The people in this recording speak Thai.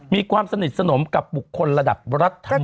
มีความสนิทสนมกับบุคคลระดับรัฐธรรมนู